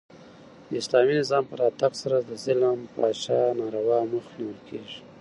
د اسلامي نظام په راتګ سره د ظلم، فحشا او ناروا مخ نیول کیږي.